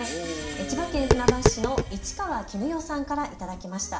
千葉県船橋市の市川絹代さんから頂きました。